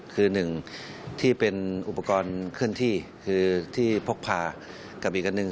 คือหนึ่งที่เป็นอุปกรณ์เคลื่อนที่คือที่พกพากับอีกอันหนึ่ง